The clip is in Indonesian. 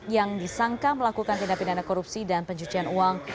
yang disangka melakukan tindak pidana korupsi dan pencucian uang